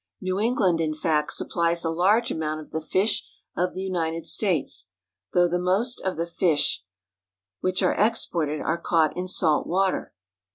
New England, in fact, supplies a large amount of the* fish of the United States, though the most of the fish which are exported are caught in salt water.